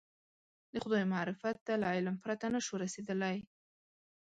د خدای معرفت ته له علم پرته نه شو رسېدلی.